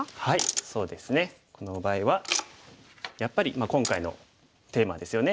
そうですねこの場合はやっぱり今回のテーマですよね。